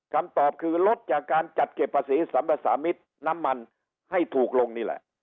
คำตอบคือลดจากการจัดเก็บภาษีสัมภาษามิตรน้ำมันให้ถูกลงนี่แหละ